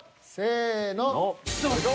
せの。